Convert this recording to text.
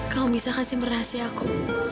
kalau bisa kasih rahasia aku